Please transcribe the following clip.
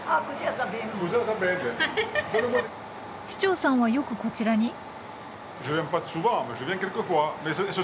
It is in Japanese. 市長さんはよくこちらに？